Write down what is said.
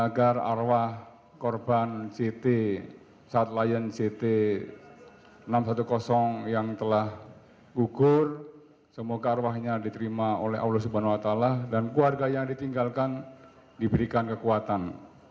agar arwah korban ct satlayan ct enam ratus sepuluh yang telah gugur semoga arwahnya diterima oleh allah swt dan keluarga yang ditinggalkan diberikan kekuatan